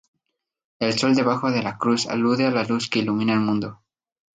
El sol debajo de la cruz alude a la luz que ilumina el mundo.